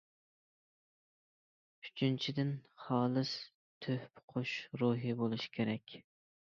ئۈچىنچىدىن، خالىس تۆھپە قوشۇش روھى بولۇش كېرەك.